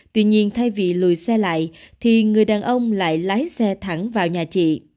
tuy nhiên thay vì lùi xe lại thì người đàn ông lại lái xe thẳng vào nhà chị